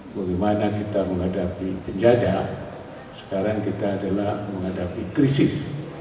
bagaimana kita menghadapi penjajah sekarang kita adalah menghadapi krisis